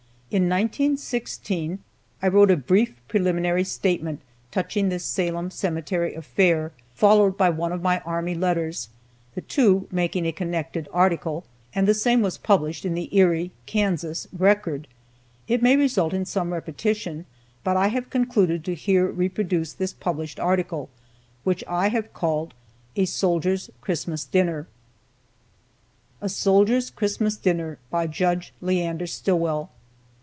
In 1916 I wrote a brief preliminary statement touching this Salem Cemetery affair, followed by one of my army letters, the two making a connected article, and the same was published in the Erie (Kansas) "Record." It may result in some repetition, but I have concluded to here reproduce this published article, which I have called, "A Soldier's Christmas Dinner." A SOLDIER'S CHRISTMAS DINNER. By Judge Leander Stillwell.